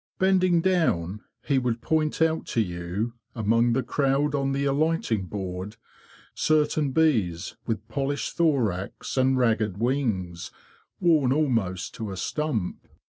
Bend ing down, he would point out to you, among the crowd on the alighting board, certain bees with polished thorax and ragged wings worn almost to a 'stump.